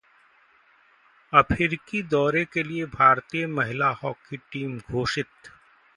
अफ्रीकी दौरे के लिए भारतीय महिला हॉकी टीम घोषित